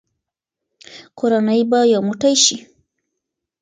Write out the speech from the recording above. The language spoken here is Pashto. کورنۍ به یو موټی شي.